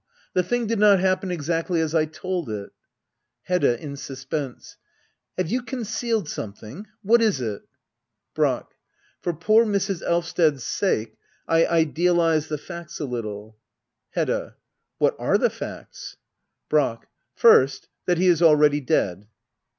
The thing did not happen exactly as I told it. Hedda. [In suspenseJ] Have you concealed something ? What is it ? Brack. For poor Mrs. Elvsted's sake I idealised the facts a little. Hedda. What are the facts ? Brack. First, that he is already dead.